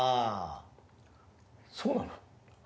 そうなの？